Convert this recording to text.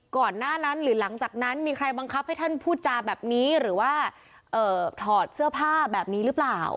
ถอดเชื้อผ้าแบบนี้หรือเปล่า